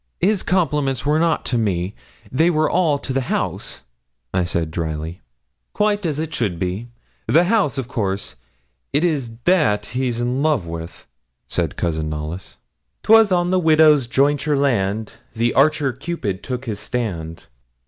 'His compliments were not to me; they were all to the house,' I said, drily. 'Quite as it should be the house, of course; it is that he's in love with,' said Cousin Knollys. ''Twas on a widow's jointure land, The archer, Cupid, took his stand.'